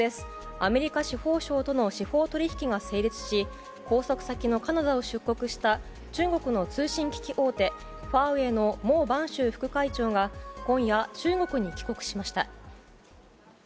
アメリカ司法省との司法取引が成立し、拘束先のカナダを出国した中国の通信機器大手ファーウェイのモウ・バンシュウ副会長が今夜、中国に帰国しました。